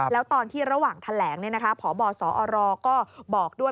แล้วตอนที่ระหว่างแถลงพบสอรก็บอกด้วย